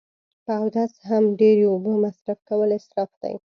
په اودس هم ډیری اوبه مصرف کول اصراف دی